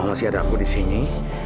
selama masih ada aku disini